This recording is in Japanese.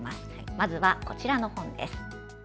まずは、こちらの本。